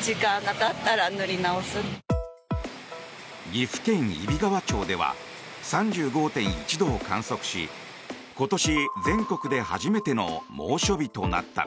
岐阜県揖斐川町では３５．１度を観測し今年、全国で初めての猛暑日となった。